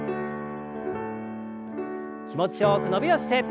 気持ちよく伸びをして。